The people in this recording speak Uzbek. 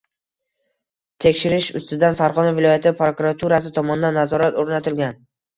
Tekshirish ustidan Farg‘ona viloyati prokuraturasi tomonidan nazorat o‘rnatilgan